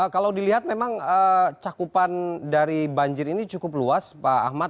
kalau dilihat memang cakupan dari banjir ini cukup luas pak ahmad